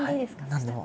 何でも。